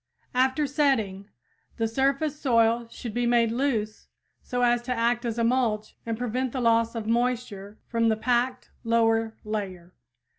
After setting, the surface soil should be made loose, so as to act as a mulch and prevent the loss of moisture from the packed lower layer.